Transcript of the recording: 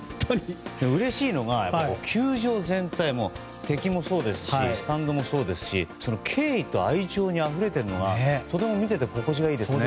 うれしいのが球場全体が敵もそうですしスタンドもそうですし敬意と愛情にあふれているのがとても見ていて心地がいいですね。